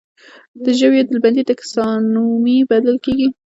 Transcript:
د ژویو ډلبندي ټکسانومي بلل کیږي